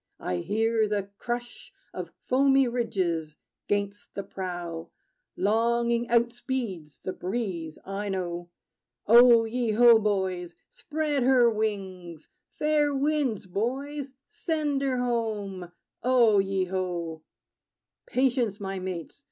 I hear the crush Of foamy ridges 'gainst the prow. Longing outspeeds the breeze, I know. O ye ho, boys! Spread her wings! Fair winds, boys: send her home! O ye ho! Patience, my mates!